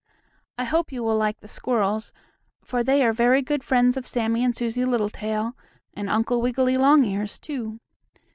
I hope you will like the squirrels, for they are very good friends of Sammie and Susie Littletail, and Uncle Wiggily Longears, too.